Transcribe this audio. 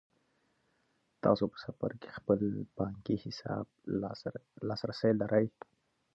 تاسو په سفر کې هم خپل بانکي حساب ته لاسرسی لرئ.